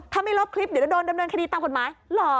ถ้าไม่ลบคลิปเดี๋ยวจะโดนดำเนินคดีตามกฎหมายเหรอ